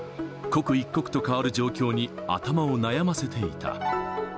刻一刻と変わる状況に、頭を悩ませていた。